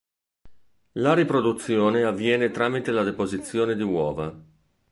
La riproduzione avviene tramite la deposizione di uova.